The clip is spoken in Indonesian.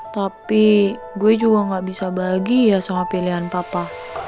tapi gue juga gak bisa bahagia sama pilihan papa